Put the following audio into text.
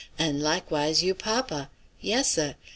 An' likewise you papa. Yes, seh.